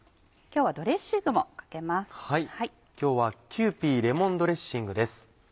今日は「キユーピーレモンドレッシング」です。